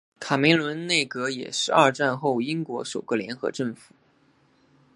卡梅伦内阁也是二战后英国首个联合政府。